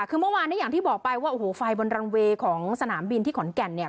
คือเมื่อวานเนี่ยอย่างที่บอกไปว่าโอ้โหไฟบนรังเวย์ของสนามบินที่ขอนแก่นเนี่ย